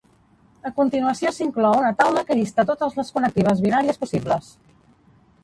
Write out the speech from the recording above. A continuació s'inclou una taula que llista totes les connectives binàries possibles.